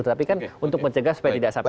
tapi kan untuk mencegah supaya tidak sampai